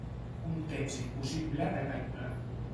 Un temps impossible de calcular.